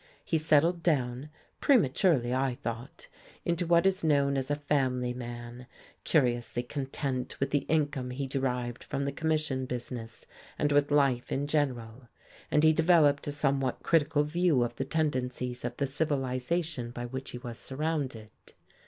He settled down prematurely, I thought into what is known as a family man, curiously content with the income he derived from the commission business and with life in general; and he developed a somewhat critical view of the tendencies of the civilization by which he was surrounded.